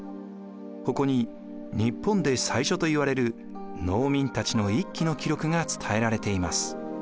ここに日本で最初といわれる農民たちの一揆の記録が伝えられています。